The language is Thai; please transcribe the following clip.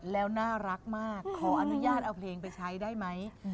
แล้วน่ารักมากขออนุญาตเอาเพลงไปใช้ได้ไหม